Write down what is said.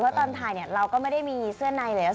เพราะตอนถ่ายเนี่ยเราก็ไม่ได้มีเสื้อในเลย